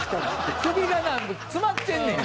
首がな詰まってんねん。